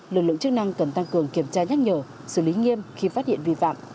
lực lượng chức năng cần tăng cường kiểm tra nhắc nhở xử lý nghiêm khi phát hiện vi phạm